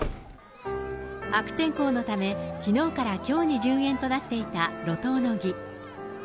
悪天候のため、きのうからきょうに順延となっていた路頭の儀。